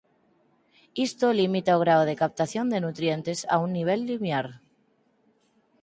Isto limita o grao de captación de nutrientes a un nivel limiar.